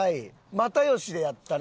又吉でやったね？